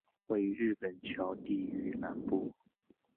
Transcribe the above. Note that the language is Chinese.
位于日本桥地域南部。